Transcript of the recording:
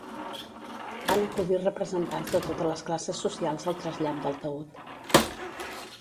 Van acudir representants de totes les classes socials al trasllat del taüt.